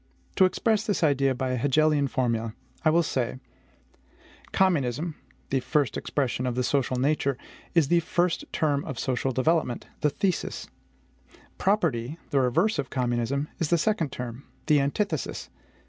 To express this idea by an Hegelian formula, I will say: Communism the first expression of the social nature is the first term of social development, the THESIS; property, the reverse of communism, is the second term, the ANTITHESIS.